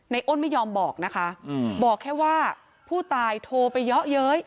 อ้นไม่ยอมบอกนะคะบอกแค่ว่าผู้ตายโทรไปเยอะเย้ย